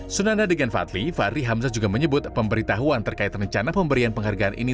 senanda dengan fadli fahri hamzah juga menyebut pemberitahuan terkait rencana pemberian penghargaan ini